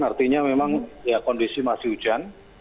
artinya memang kondisi masih hujan